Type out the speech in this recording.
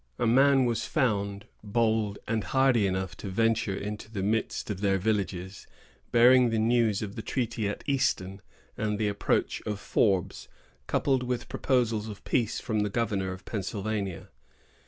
A man was found bold and hardy enough to venture into the midst of their villages, bearing the news of the treaty at Easton, and the approach of Forbes, coupled with proposals of peace from the governor of Pennsylvania.